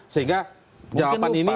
sehingga jawaban ini